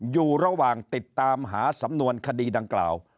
อยู่ระหว่างติดตามหาสำนวนคดีดังกล่าว